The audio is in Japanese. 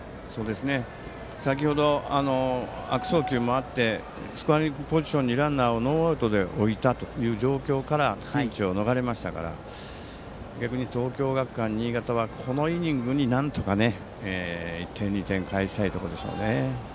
先程、悪送球もあってスコアリングポジションにランナーをノーアウトで置いた状況からピンチを逃れましたから逆に東京学館新潟はこのイニングなんとか１点、２点返したいところですね。